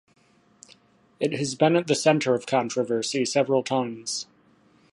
It has been at the center of controversy several times.